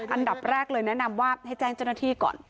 อันดับแรกเลยแนะนำว่าให้แจ้งเจ้าหน้าที่ก่อน